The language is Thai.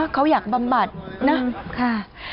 เขาอยากบำบัดนะค่ะ